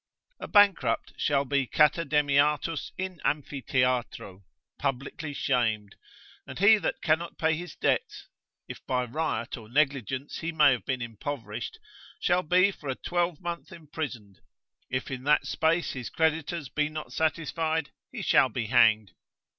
A bankrupt shall be Catademiatus in Amphitheatro, publicly shamed, and he that cannot pay his debts, if by riot or negligence he have been impoverished, shall be for a twelvemonth imprisoned, if in that space his creditors be not satisfied, he shall be hanged.